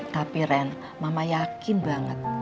tapi ren mama yakin banget